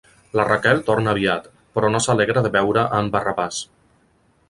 La Raquel torna aviat, però no s'alegra de veure a en Barrabàs.